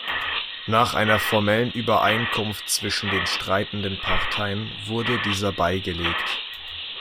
Nach einer formellen Übereinkunft zwischen den streitenden Parteien wurde dieser beigelegt.